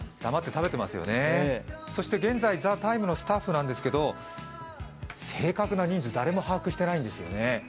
そして現在「ＴＨＥＴＩＭＥ，」のスタッフなんですが正確な人数を誰も把握していないんですよね。